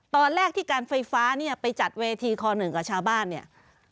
ตอนแรกที่การไฟฟ้าเนี่ยไปจัดเวทีคอหนึ่งกับชาวบ้านเนี่ย